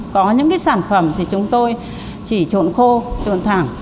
có những cái sản phẩm thì chúng tôi chỉ trộn khô trộn thẳng